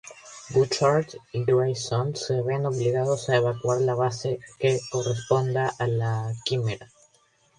Bouchard y Grayson se ven obligados a evacuar la base corresponde a la Quimera.